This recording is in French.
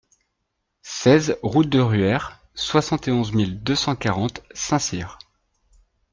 seize route de Ruère, soixante et onze mille deux cent quarante Saint-Cyr